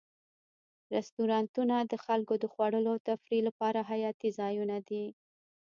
رستورانتونه د خلکو د خوړلو او تفریح لپاره حیاتي ځایونه دي.